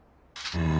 うん！